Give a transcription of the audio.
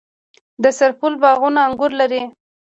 د سرپل باغونه انګور لري.